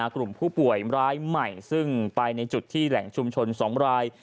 กลุ่มผู้ป่วยรายใหม่ซึ่งไปในจุดที่แหล่งชุมชน๒ราย